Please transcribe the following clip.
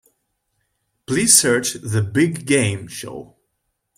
Please search The Big Game show.